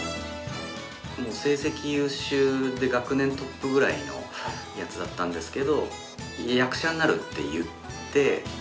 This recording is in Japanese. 成績優秀で学年トップぐらいのヤツだったんですけど役者になるって言って。